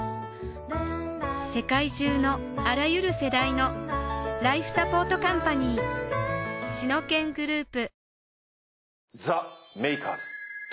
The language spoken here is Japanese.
世界中のあらゆる世代のライフサポートカンパニーシノケングループ